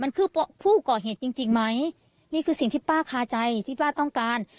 มันคือผู้ก่อเหตุจริงจริงไหมนี่คือสิ่งที่ป้าคาใจที่ป้าต้องการ